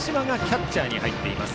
荒島がキャッチャーに入っています。